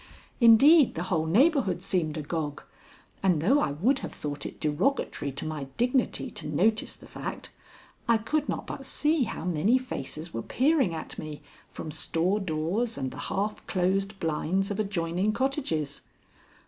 Indeed, the whole neighborhood seemed agog, and though I would have thought it derogatory to my dignity to notice the fact, I could not but see how many faces were peering at me from store doors and the half closed blinds of adjoining cottages.